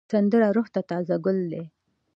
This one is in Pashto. سندره روح ته تازه ګل دی